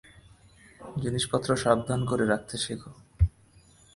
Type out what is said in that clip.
জিনিসপত্র সাবধান করে রাখতে শিখো।